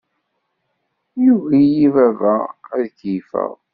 Yugi-iyi baba ad keyyefeɣ.